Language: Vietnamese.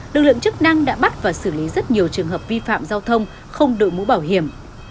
lực lượng chức năng đã bắt và xử lý rất nhiều trường hợp vi phạm giao thông không đội mũ bảo hiểm